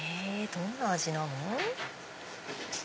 どんな味なの？